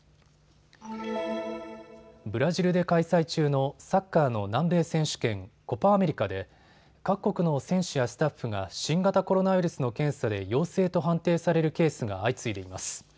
ブラジルで開催中のサッカーの南米選手権、コパ・アメリカで各国の選手やスタッフが新型コロナウイルスの検査で陽性と判定されるケースが相次いでいます。